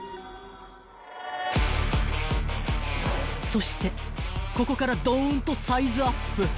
［そしてここからどーんとサイズアップ］